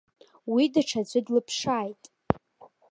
Уи даҽаӡәы длыԥшааит.